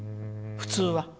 普通は。